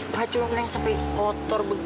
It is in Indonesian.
ini baju nenek sampai kotor begini